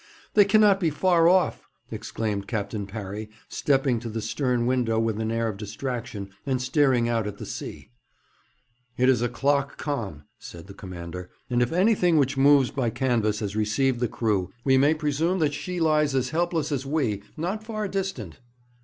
'They cannot be far off!' exclaimed Captain Parry, stepping to the stern window with an air of distraction, and staring out at the sea. 'It is a clock calm,' said the commander, 'and if anything which moves by canvas has received the crew, we may presume that she lies as helpless as we, not far distant.'